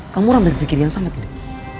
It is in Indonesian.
kamu orang berpikir yang sama tidak